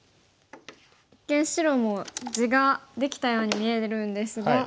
一見白も地ができたように見えるんですが。